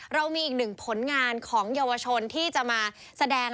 เรามีอีกหนึ่งผลงานของเยาวชนที่จะมาแสดง